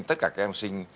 tất cả các em học sinh